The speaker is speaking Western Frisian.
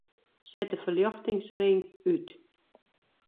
Set de ferljochtingsring út.